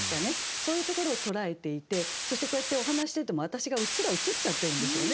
そういうところを捉えていてそしてこうやってお話ししてても私がうっすら映っちゃってるんですよね。